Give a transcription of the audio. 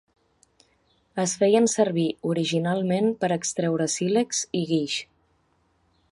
Es feien servir originalment per extreure sílex i guix.